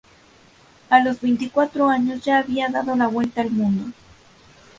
A los veinticuatro años ya había dado la vuelta al mundo.